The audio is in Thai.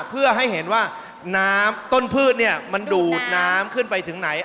เพื่อให้เห็นว่าต้นพืชมันดูดน้ำขึ้นไปถึงไหน